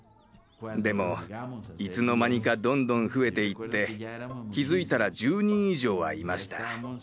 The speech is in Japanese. でもいつの間にかどんどん増えていって気付いたら１０人以上はいました。